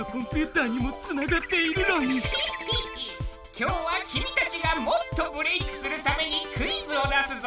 今日は君たちがもっとブレイクするためにクイズを出すぞ！